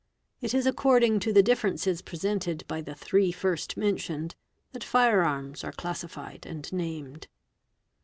It is according to the differences presented by the three first mentioned, that fire arms are classified and named.